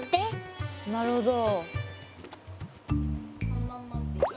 なるほど。